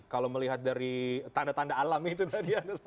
kalau melihat dari tanda tanda antara